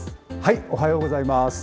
おはようございます。